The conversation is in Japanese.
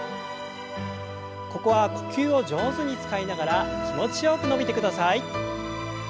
ここは呼吸を上手に使いながら気持ちよく伸びてください。